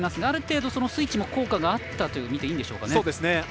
ある程度スイッチも効果があったと見ていいんでしょうかね。